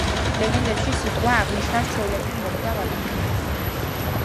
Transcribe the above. ლეგენდებში სიტყვა აღნიშნავს ჩვეულებრივ, მოკვდავ ადამიანს.